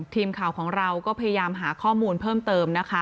ทีมข่าวของเราก็พยายามหาข้อมูลเพิ่มเติมนะคะ